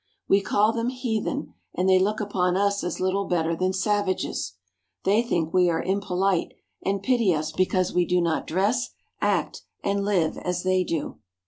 We call them heathen, and they look upon us as little better than savages. They think we are impolite, and pity us because we do not dress, act, and live as they do.